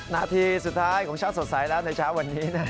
นาทีสุดท้ายของเช้าสดใสแล้วในเช้าวันนี้